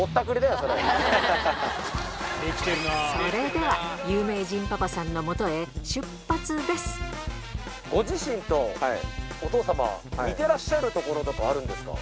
それでは、有名人パパさんのご自身とお父様、似てらっしゃるところとかはあるんですか？